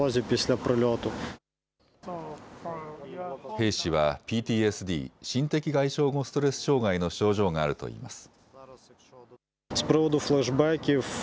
兵士はＰＴＳＤ・心的外傷後ストレス障害の症状があるといいます。